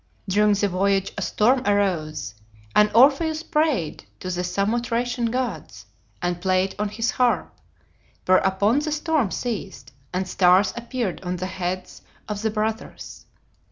During the voyage a storm arose, and Orpheus prayed to the Samothracian gods, and played on his harp, whereupon the storm ceased and stars appeared on the heads of the brothers.